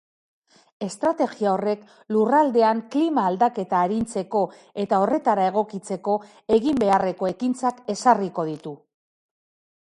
Estrategia horrek lurraldean klima-aldaketa arintzeko eta horretara egokitzeko egin beharreko ekintzak ezarriko ditu.